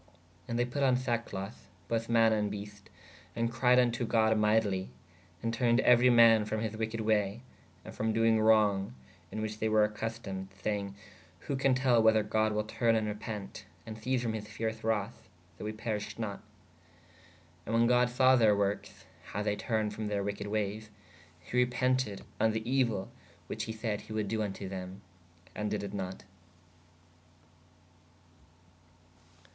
¶ And they put on sackcloth both man ād beest/ & cried vn to God mightily/ ād turned euery man from his weked waye/ and frō doenge wrōge in which they were acustomed/ sayenge: who can tell whether god will turne & repent/ & cease from his fearce wrathe/ that we perish not? And when god saw theyr workes/ how they turned from theyr weked wayes/ he repented on [the] euell which he sayd he wold doo vn to them/ ād dyd it not.